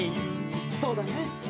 そうだね。